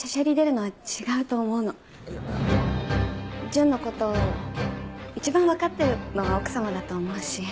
純の事一番わかってるのは奥様だと思うし。